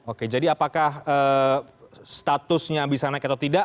oke jadi apakah statusnya bisa naik atau tidak